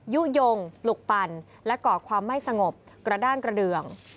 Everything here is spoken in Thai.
ยุโยงปลุกปั่นและก่อความไม่สงบกระด้านกระเดือง